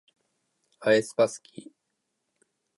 aespa すき